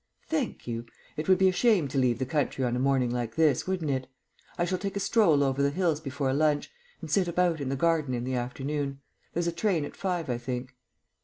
"Thank you. It would be a shame to leave the country on a morning like this, wouldn't it? I shall take a stroll over the hills before lunch, and sit about in the garden in the afternoon. There's a train at five, I think."